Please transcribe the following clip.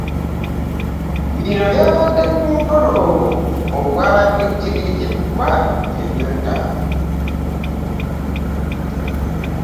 Bino byabadde ku mukolo ogwabadde gutegekeddwa Toyota.